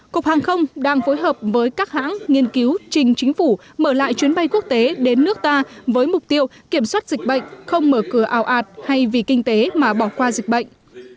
cục hàng không đang phối hợp với các hãng nghiên cứu trình chính phủ mở lại chuyến bay quốc tế đến nước ta với mục tiêu kiểm soát dịch bệnh không mở cửa ảo ạt hay vì kinh tế mà bỏ qua dịch bệnh